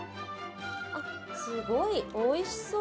すごい、おいしそう！